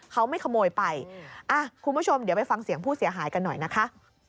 เขาไม่ขโมยไปอ่ะคุณผู้ชมเดี๋ยวไปฟังเสียงผู้เสียหายกันหน่อยนะคะ